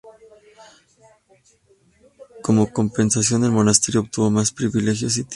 Como compensación, el monasterio obtuvo más privilegios y tierras.